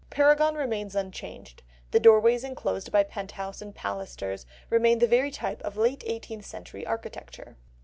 Paragon remains unchanged, the doorways enclosed by pent house and pilasters remain the very type of late eighteenth century architecture.